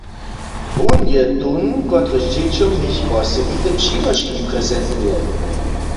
Wón je tón, kotryž dźěćom jich wosebite přinoški prezentuje.